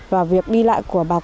và việc đi lại của bà con